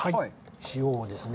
塩をですね。